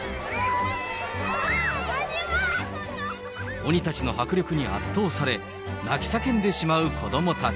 鬼たちの迫力に圧倒され、泣き叫んでしまう子どもたち。